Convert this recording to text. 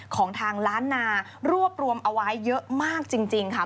ของทางล้านนารวบรวมเอาไว้เยอะมากจริงค่ะ